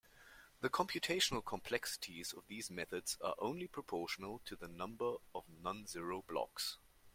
The computational complexities of these methods are only proportional to the number of non-zero blocks.